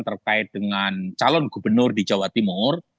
terkait dengan calon gubernur di jawa timur